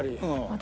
私？